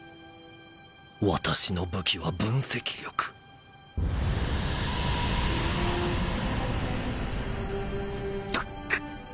私の武器は分析力ぐっ。